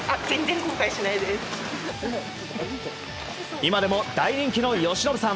今でも大人気の由伸さん。